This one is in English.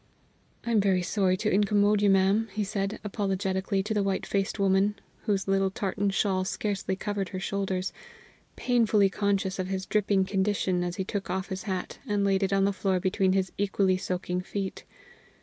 "I am very sorry to incommode you, ma'am," he said apologetically to the white faced woman, whose little tartan shawl scarcely covered her shoulders, painfully conscious of his dripping condition, as he took off his hat, and laid it on the floor between his equally soaking feet.